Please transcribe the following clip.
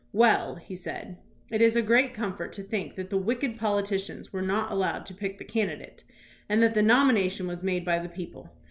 "Well," he said, "it is a great comfort to think that the wicked politicians were not allowed to pick the candidate and that the nomination was made by the people.